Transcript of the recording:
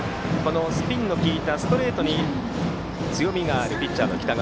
スピンの利いたストレートに強みがあるピッチャーの北川。